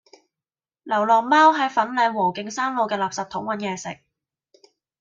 流浪貓喺粉嶺禾徑山路嘅垃圾桶搵野食